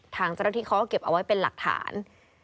ทางเจ้าหน้าที่เขาก็เก็บเอาไว้เป็นหลักฐาน